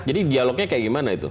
jadi dialognya kayak gimana itu